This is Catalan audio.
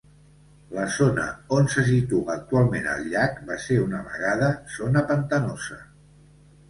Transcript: La zona on se situa actualment el llac, va ser una vegada zona pantanosa.